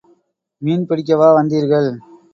மீன் பிடிக்கவா வந்தீர்கள்?